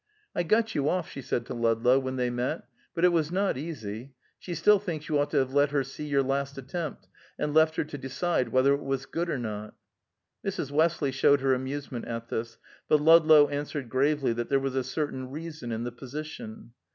"I got you off," she said to Ludlow, when they met, "but it was not easy. She still thinks you ought to have let her see your last attempt, and left her to decide whether it was good or not." Mrs. Westley showed her amusement at this, but Ludlow answered gravely that there was a certain reason in the position.